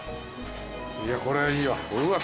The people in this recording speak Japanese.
いやこれはいいわ。